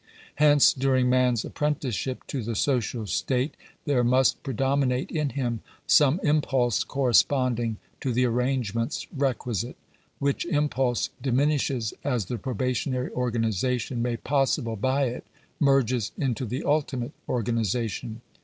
Hence during man's apprenticeship to the social state there must predominate in him some impulse corresponding to the arrangements requisite; which impulse diminishes as the probationary organization made possible by it, merges into the ultimate organization.